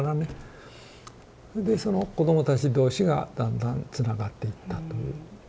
それでその子どもたち同士がだんだんつながっていったという。